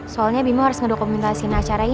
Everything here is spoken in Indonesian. soalnya bimo harus ngedokumentasikan acaranya